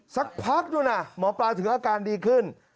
สักพักนู่นน่ะหมอปลาถึงอาการดีขึ้น